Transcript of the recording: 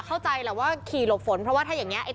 เข้าใจแหละว่าขี่หลบฝนเพราะว่าถ้าอย่างนี้